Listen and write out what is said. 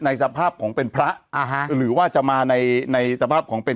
สภาพของเป็นพระอ่าฮะหรือว่าจะมาในในสภาพของเป็น